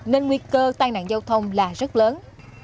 nên nguy cơ tai nạn giao thông là rất lớn